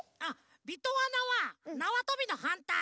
「びとわな」は「なわとび」のはんたい。